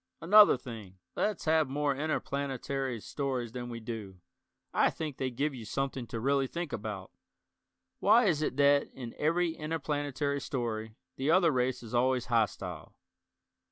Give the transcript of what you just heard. Another thing, let's have more interplanetary stories than we do. I think they give you something to really think about. Why is it that in every interplanetary story the other race is always hostile.